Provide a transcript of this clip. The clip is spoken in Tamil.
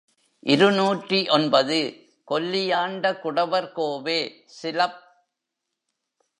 இருநூற்று ஒன்பது, கொல்லியாண்ட குடவர் கோவே சிலப்.